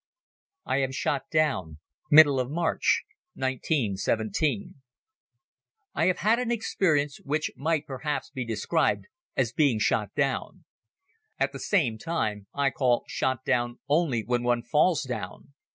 I Am Shot Down. (Middle of March, 1917) I HAVE had an experience which might perhaps be described as being shot down. At the same time, I call shot down only when one falls down.